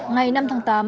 ngày năm tháng tám